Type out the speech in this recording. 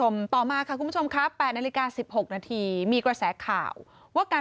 ว่าการการการการการการการ